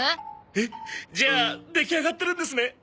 えっじゃあ出来上がってるんですね？